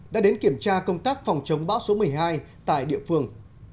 đã đến kiểm tra công tác phòng chống bão số một mươi hai tại địa phương